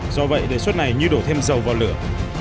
do vậy đề xuất này như đổ thêm dầu vào lửa